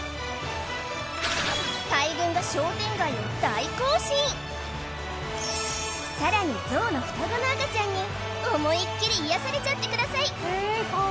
大群がさらにゾウの双子の赤ちゃんに思いっきり癒やされちゃってください